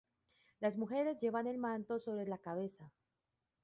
Las mujeres llevan el manto sobre la cabeza.